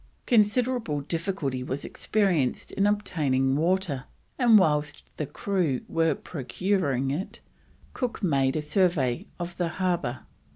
Considerable difficulty was experienced in obtaining water, and whilst the crew were procuring it, Cook made a survey of the harbour.